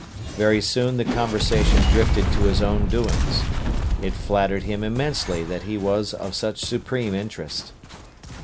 Very soon the conversation drifted to his own doings. It flattered him immensely that he was of such supreme interest.